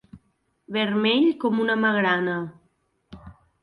Vermell com una magrana.